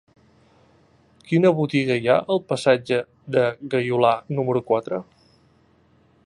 Quina botiga hi ha al passatge de Gaiolà número quatre?